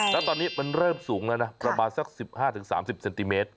แล้วตอนนี้มันเริ่มสูงแล้วนะประมาณสัก๑๕๓๐เซนติเมตร